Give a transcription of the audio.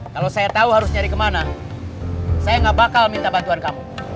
kalau saya tahu harus nyari kemana saya nggak bakal minta bantuan kamu